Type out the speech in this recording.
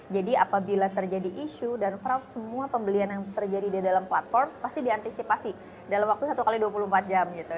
jadi apabila terjadi isu dan fraud semua pembelian yang terjadi di dalam platform pasti diantisipasi dalam waktu satu x dua puluh empat jam gitu